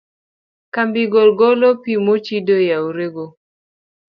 Kambigo golo pi mochido e aorego.